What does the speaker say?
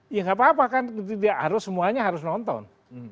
ya nggak apa apa kan tidak harus semuanya harus nonton